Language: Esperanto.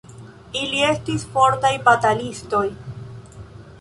Ili estis fortaj batalistoj.